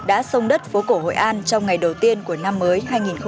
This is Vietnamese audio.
đã xông đất phố cổ hội an trong ngày đầu tiên của năm mới hai nghìn một mươi bảy